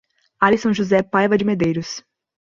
Alisson José Paiva de Medeiros